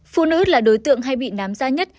phụ nữ là đối tượng hay bị nám gia nhất